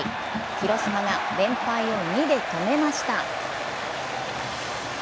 広島が連敗を２で止めました。